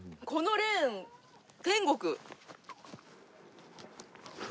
このレーン天国。